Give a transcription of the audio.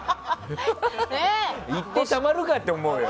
行ってたまるか！って思うよ